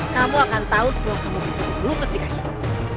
kamu akan tahu setelah kamu berlutut di kaki aku